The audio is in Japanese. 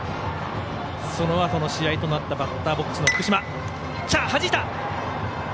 そのあとの試合となったバッターボックスの福島。